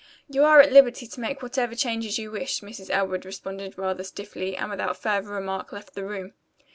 "You are at liberty to make whatever changes you wish," Mrs. Elwood responded rather stiffly, and without further remark left the room.